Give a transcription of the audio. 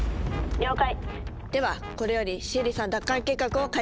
了解。